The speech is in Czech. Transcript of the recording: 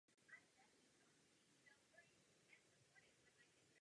V praxi ale měly jen minimální reálnou moc.